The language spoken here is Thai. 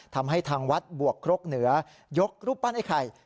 ทำให้ทางวัดบวกครกเหนือยกรูปปั้นไอ้ไข่